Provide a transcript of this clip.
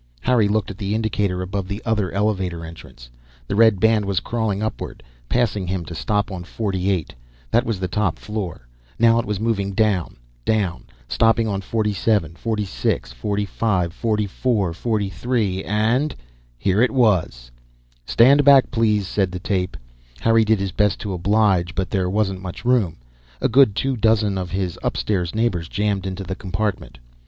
Harry looked at the indicator above the other elevator entrance. The red band was crawling upward, passing him to stop on 48. That was the top floor. Now it was moving down, down; stopping on 47, 46, 45, 44, 43, and here it was! "Stand back, please!" said the tape. Harry did his best to oblige, but there wasn't much room. A good two dozen of his upstairs neighbors jammed the compartment.